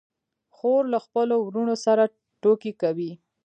خور له خپلو وروڼو سره ټوکې کوي.